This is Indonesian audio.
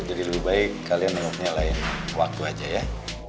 jadi lebih baik kalian nunggu nyalain waktu aja ya